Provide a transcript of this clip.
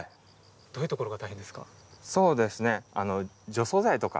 どういうところが大変ですか？